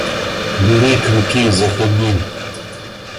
Бери крюки, заходи!